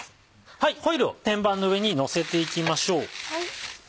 ホイルを天板の上にのせていきましょう。